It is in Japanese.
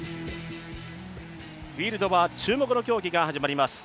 フィールドは注目の競技が始まります。